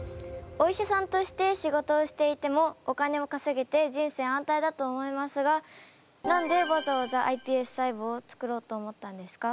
お医者さんとして仕事をしていてもお金をかせげて人生安泰だと思いますがなんでわざわざｉＰＳ細胞を作ろうと思ったんですか？